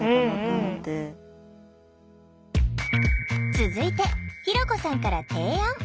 続いてひろこさんから提案。